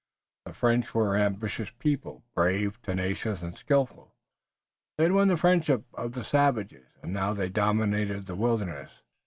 The French were an ambitious people, brave, tenacious and skillful. They had won the friendship of the savages and now they dominated the wilderness.